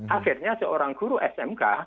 akhirnya seorang guru smk